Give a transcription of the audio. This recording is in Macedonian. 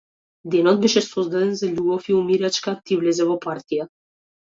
Денот беше создаден за љубов и умирачка, а ти влезе во партија.